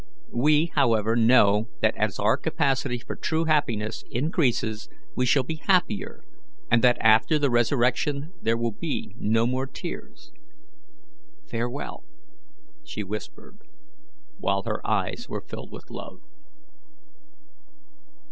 We, however, know that as our capacity for true happiness increases we shall be happier, and that after the resurrection there will be no more tears. Farewell," she whispered, while her eyes were filled with love.